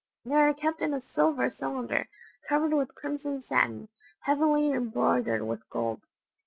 They are kept in a silver cylinder, covered with crimson satin, heavily embroidered with gold.